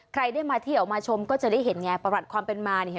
ใครได้มาเที่ยวมาชมก็จะได้เห็นไงประวัติความเป็นมาเนี่ย